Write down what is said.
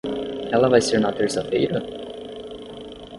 Ela vai ser na terça-feira?